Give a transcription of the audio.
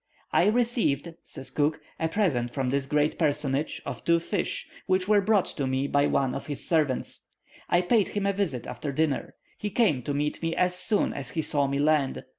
"I received," says Cook, "a present from this great personage of two fish, which were brought to me by one of his servants. I paid him a visit after dinner. He came to meet me as soon as he saw me land.